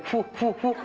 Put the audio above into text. fuh fuh fuh